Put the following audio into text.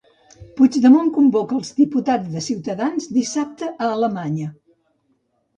Puigdemont convoca els diputats de Cs dissabte a Alemanya.